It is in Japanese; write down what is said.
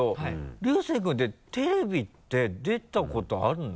龍聖君ってテレビって出たことあるの？